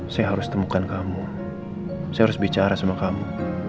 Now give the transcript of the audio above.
saya harus temukan kamu serius bicara sama kamu